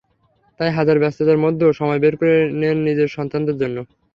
তাই হাজার ব্যস্ততার মধ্যেও সময় বের করে নেন নিজের সন্তানদের জন্য।